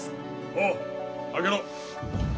おう開けろ。